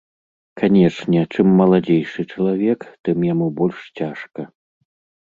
Канешне, чым маладзейшы чалавек, тым яму больш цяжка.